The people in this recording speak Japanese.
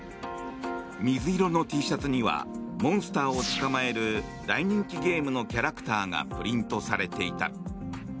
水色のＴシャツにはモンスターを捕まえる大人気ゲームのキャラクターがプリントされていた。